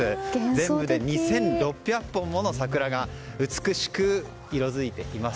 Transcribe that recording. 全部で２６００本もの桜が美しく色づいています。